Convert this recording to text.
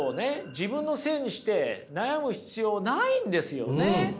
自分のせいにして悩む必要ないんですよね。